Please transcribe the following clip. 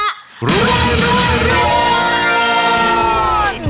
ร่วงร่วงร่วง